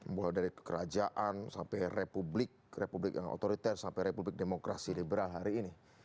mulai dari kerajaan sampai republik republik yang otoriter sampai republik demokrasi liberal hari ini